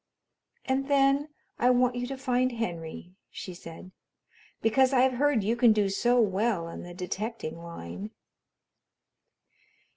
"And then I want you to find Henry," she said, "because I've heard you can do so well in the detecting line."